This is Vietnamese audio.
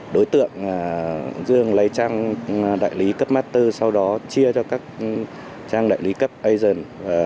đối tượng dương lấy trang đại lý cấp master sau đó chia cho các trang đại lý cấp asian